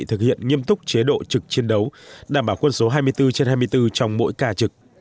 thực hiện nghiêm túc chế độ trực chiến đấu đảm bảo quân số hai mươi bốn trên hai mươi bốn trong mỗi ca trực